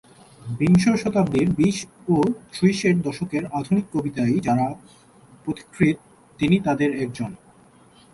বিংশ শতাব্দীর বিশ ও ত্রিশের দশকে আধুনিক কবিতার যারা পথিকৃৎ তিনি তাদের একজন।